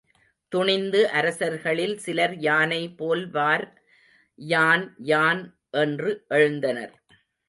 துணிந்து அரசர்களில் சிலர் யானை போல்வார், யான், யான் என்று எழுந்தனர்.